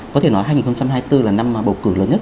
có thể nói hai nghìn hai mươi bốn là năm bầu cử lớn nhất